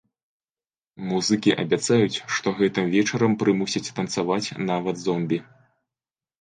Музыкі абяцаюць, што гэтым вечарам прымусяць танцаваць нават зомбі.